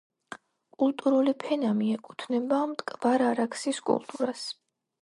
კულტურული ფენა მიეკუთვნება მტკვარ-არაქსის კულტურას.